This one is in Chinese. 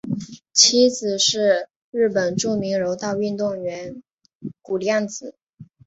妻子是日本著名柔道运动员谷亮子。